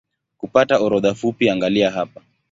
Kupata orodha fupi angalia hapa